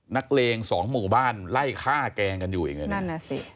นักเลงสองหมู่บ้านไล่ฆ่าแกงกันอยู่อย่างนั้น